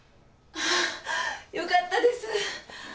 ああよかったです。